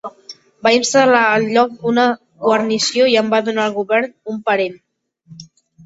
Va instal·lar al lloc una guarnició i en va donar el govern a un parent.